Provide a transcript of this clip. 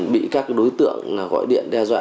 bị các đối tượng gọi điện đe dọa